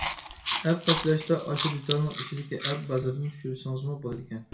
ئەپ قاچىلاشتا ئاشۇ دېتالنىڭ ئىچىدىكى ئەپ بازىرىدىن چۈشۈرسىڭىزمۇ بولىدىكەن.